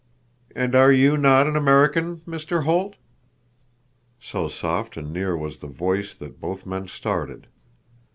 "And are you not an American, Mr. Holt?" So soft and near was the voice that both men started.